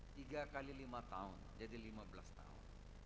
tiga kali lima tahun jadi lima belas tahun